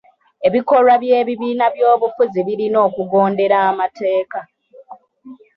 Ebikolwa by'ebibiina by'obufuzi birina okugondera amateeka.